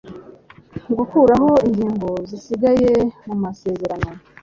gukuraho ingingo zisigaye mumasezerano